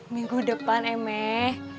minggu depan emek